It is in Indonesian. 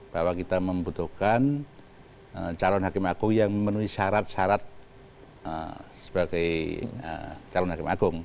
bahwa kita membutuhkan calon hakim agung yang memenuhi syarat syarat sebagai calon hakim agung